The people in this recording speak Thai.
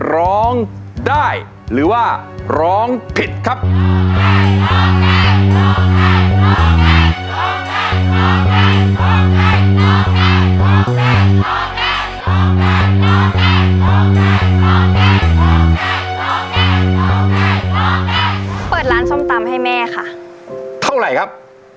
ร้องได้หรือว่าร้องผิดครับ